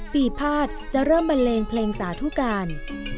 ปีภาษจะเริ่มบันเลงเพลงสาธุการ